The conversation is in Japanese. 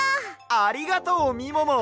ありがとうみもも！